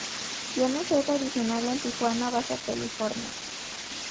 Tiene sede original en Tijuana, Baja California.